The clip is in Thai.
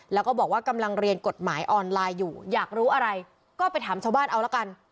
แล้วก็บอกว่ากำลังเรียนกฎหมายออนไลน์อยู่อยากรู้อะไรก็ไปถามชาวบ้านเอาละกัน